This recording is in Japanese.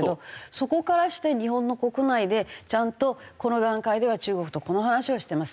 そこからして日本の国内でちゃんと「この段階では中国とこの話をしてます」